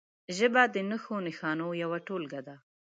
ژبه د نښو نښانو یوه ټولګه ده.